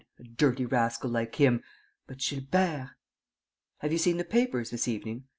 . a dirty rascal like him! But Gilbert...." "Have you seen the papers this evening?